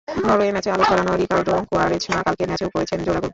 Norway ম্যাচে আলো ছড়ানো রিকার্ডো কুয়ারেজমা কালকের ম্যাচেও করেছেন জোড়া গোল।